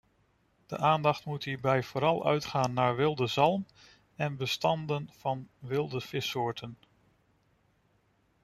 De aandacht moet hierbij vooral uitgaan naar wilde zalm en bestanden van wilde vissoorten.